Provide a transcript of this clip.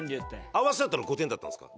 「合わせ」だったら５点だったんですか？